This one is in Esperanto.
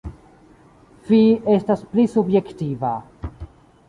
Fi estas pli subjektiva.